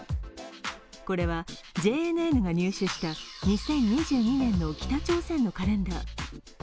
これはＪＮＮが入手した２０２２年の北朝鮮のカレンダー。